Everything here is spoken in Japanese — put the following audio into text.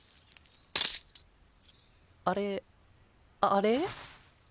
あれあれ？